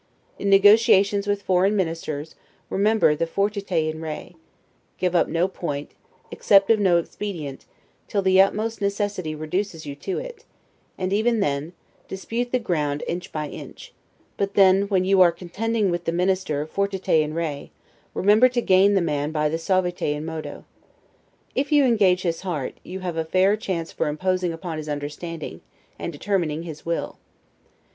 In negotiations with foreign ministers, remember the 'fortiter in re'; give up no point, accept of no expedient, till the utmost necessity reduces you to it, and even then, dispute the ground inch by inch; but then, while you are contending with the minister 'fortiter in re', remember to gain the man by the 'suaviter in modo'. If you engage his heart, you have a fair chance for imposing upon his understanding, and determining his will.